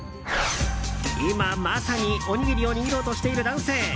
今まさにおにぎりを握ろうとしている男性。